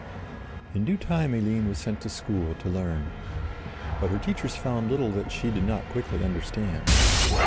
In due time Eline was sent to school to learn. But her teachers found little that she did not quickly understand.